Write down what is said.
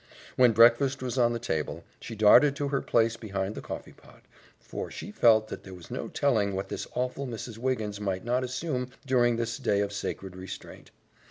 When breakfast was on the table, she darted to her place behind the coffeepot, for she felt that there was no telling what this awful Mrs. Wiggins might not assume during this day of sacred restraint.